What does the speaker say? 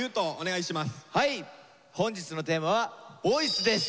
本日のテーマは「ＶＯＩＣＥ」です。